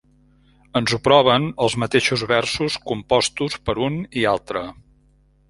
Ens ho proven els mateixos versos compostos per un i altre.